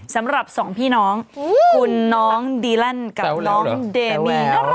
สำหรับสองพี่น้องคุณน้องดีแลนด์กับน้องเดมี